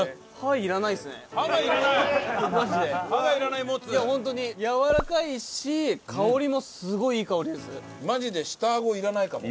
いや本当にやわらかいし香りもすごいいい香りです。